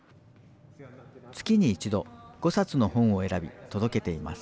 月に１度、５冊の本を選び、届けています。